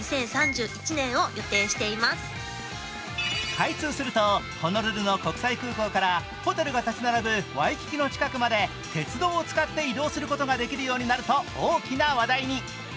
開通するとホノルルの国際空港からホテルが立ち並ぶワイキキの近くまで鉄道を使って移動することができるようになると大きな話題に。